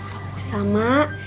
gak usah mak